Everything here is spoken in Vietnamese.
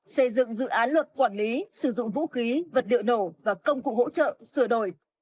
xây dựng dự án luật quản lý sử dụng vũ khí vật liệu nổ và công cụ hỗ trợ sửa đổi